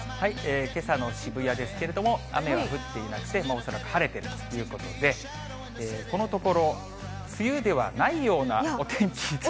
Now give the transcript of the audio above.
けさの渋谷ですけれども、雨は降っていなくて、空は晴れてるということで、このところ、梅雨ではないようなお天気、続いて。